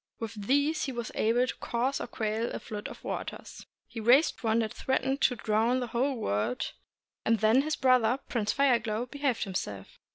With these he was able to cause or to quell a flood of waters. He raised one that threatened to drown the whole world, and then his brother Prince Fire Glow behaved himself.